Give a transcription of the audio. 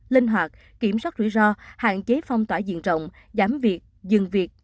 linh hoạt kiểm soát rủi ro hạn chế phong tỏa diện rộng giảm việc dừng việc